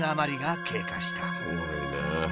すごいね。